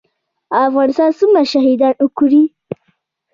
افغانستان څومره شهیدان ورکړي؟